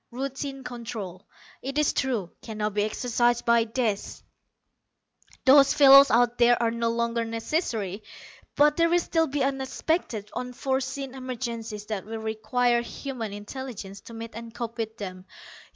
Routine control, it is true, can now be exercised by this those fellows out there are no longer necessary but there will still be the unexpected, unforeseen emergencies that will require human intelligence to meet and cope with them.